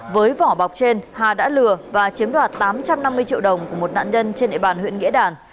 với vỏ bọc trên hà đã lừa và chiếm đoạt tám trăm năm mươi triệu đồng của một nạn nhân trên địa bàn huyện nghĩa đàn